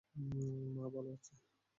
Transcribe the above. মা ভালো আছে?